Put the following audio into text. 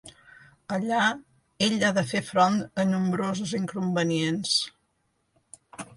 Allà ell ha de fer front a nombrosos inconvenients.